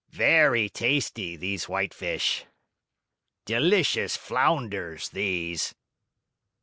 "Very tasty, these whitefish!" "Delicious flounders, these!"